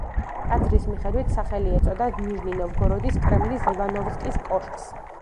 ტაძრის მიხედვით სახელი ეწოდა ნიჟნი-ნოვგოროდის კრემლის ივანოვსკის კოშკს.